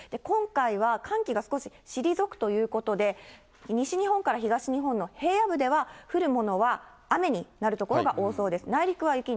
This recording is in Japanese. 今回は、寒気が少し退くということで、西日本から東日本の平野部では降るものは雨になる所が多そうです。